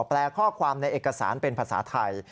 แปลข้อความในเอกสารเป็นภาษาไทย